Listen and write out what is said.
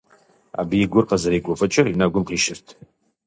Абы и гур къызэригуфӀыкӀыр и нэгум къищырт.